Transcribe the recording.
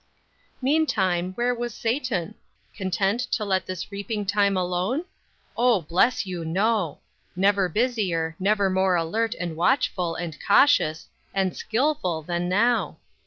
Meantime, where was Satan? Content to let this reaping time alone? Oh, bless you, no! Never busier, never more alert, and watchful, and cautious, and skillful than now!